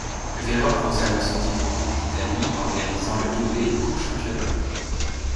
Verón conserve son titre en Coupe d'Italie en réalisant le doublé coupe-championnat.